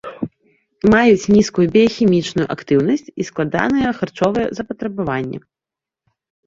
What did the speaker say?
Маюць нізкую біяхімічную актыўнасць і складаныя харчовыя запатрабаванні.